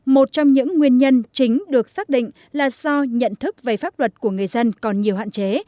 một trong những nguyên nhân chính được xác định là do nhận thức về pháp luật của người dân còn nhiều hạn chế